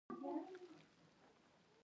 شاعران او لیکوالان د اصطلاحاتو کارول خوښوي